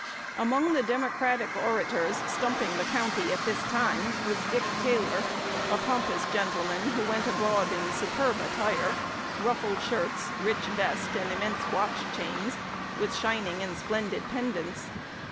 Among the Democratic orators stumping the county at this time was Dick Taylor, a pompous gentleman, who went abroad in superb attire, ruffled shirts, rich vest, and immense watch chains, with shining and splendid pendants.